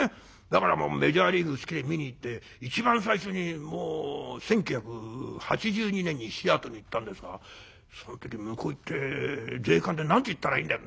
だからメジャーリーグ好きで見に行って一番最初にもう１９８２年にシアトルに行ったんですがその時「向こう行って税関で何て言ったらいいんだ？」。